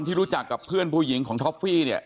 ที่รู้จักกับเพื่อนผู้หญิงของท็อฟฟี่เนี่ย